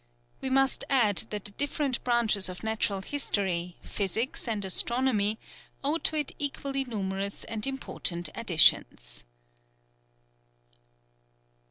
We must add that the different branches of natural history, physics, and astronomy, owe to it equally numerous and important additions.